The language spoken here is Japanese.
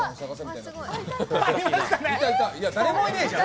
いや、誰もいねえじゃん。